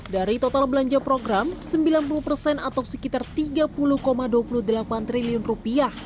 dari total belanja program sembilan puluh persen atau sekitar tiga puluh dua puluh delapan triliun rupiah